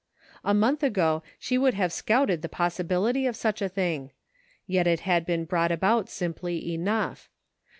A month ago she would have scouted the possi bility of such a thing ; yet it had been brought about simply enough.